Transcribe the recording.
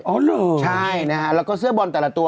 เหรอใช่นะฮะแล้วก็เสื้อบอลแต่ละตัว